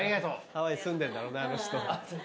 ハワイ住んでんだろうなあの人。